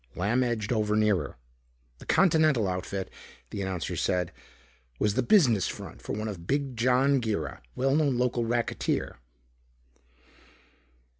Lamb edged over nearer. The Continental outfit, the announcer said, was the business front of one Big John Girra, well known local racketeer.